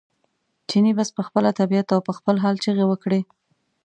چیني بس په خپله طبعیت او په خپل حال چغې وکړې.